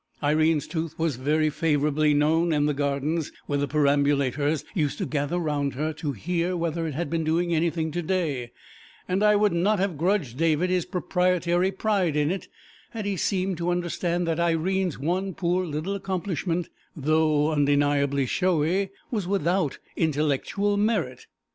Irene's tooth was very favourably known in the Gardens, where the perambulators used to gather round her to hear whether it had been doing anything to day, and I would not have grudged David his proprietary pride in it, had he seemed to understand that Irene's one poor little accomplishment, though undeniably showy, was without intellectual merit.